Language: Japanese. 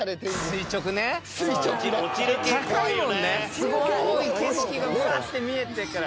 すごい景色がぶわって見えてから。